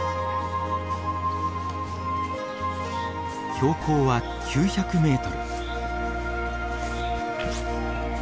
標高は９００メートル。